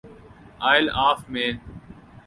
oil of main